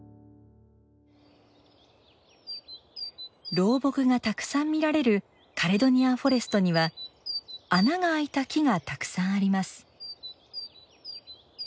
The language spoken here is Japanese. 老木がたくさん見られるカレドニアンフォレストには穴があいた木がたくさんあります。